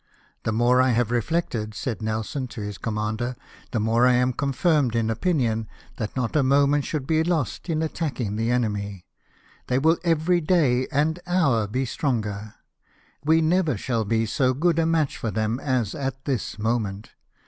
" The more I have re flected," said Nelson to his commander, " the more I am confirmed in opinion that not a moment should be lost in attacking the enemy. They will every day and hour be stronger, wo never shall be so good a match for them as at this moment.